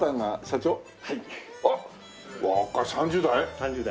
３０代？